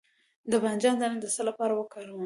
د بانجان دانه د څه لپاره وکاروم؟